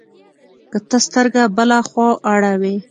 که ته سترګه بله خوا اړوې،